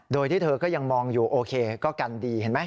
โดยที่เธอก็ยังมองอยู่โอเคก็กันดีเห็นไหม